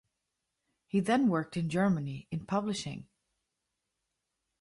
He then worked in Germany, in publishing.